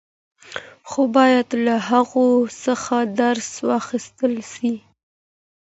خو باید له هغو څخه درس واخیستل سي.